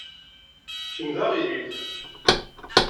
Kemm d aɣilif.